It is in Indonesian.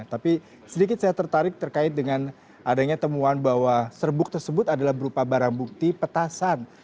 tapi sedikit saya tertarik terkait dengan adanya temuan bahwa serbuk tersebut adalah berupa barang bukti petasan